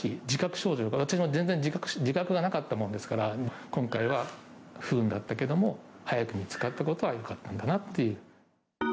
自覚症状が、私、全然自覚がなかったもんですから、今回は不運だったけども、早く見つかったことはよかったんだなっていう。